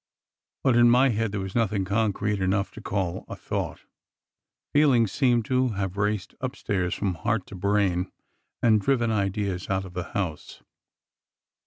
But in my head there was nothing concrete enough to call a "thought." Feel ings seemed to have raced upstairs from heart to brain, and driven ideas out of the house.